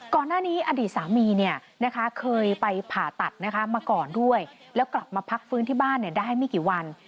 อดีตสามีเคยไปผ่าตัดนะคะมาก่อนด้วยแล้วกลับมาพักฟื้นที่บ้านได้ไม่กี่วัน